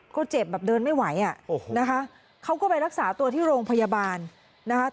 ก็เจ็บแบบเดินไม่ไหวอ่ะโอ้โหนะคะเขาก็ไปรักษาตัวที่โรงพยาบาลนะคะ